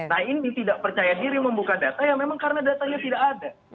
nah ini tidak percaya diri membuka data ya memang karena datanya tidak ada